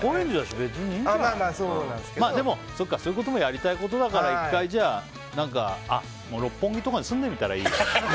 そういうこともやりたいことだから１回、六本木とかに住んでみたらいいじゃん。